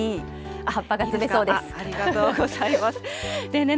ありがとうございます。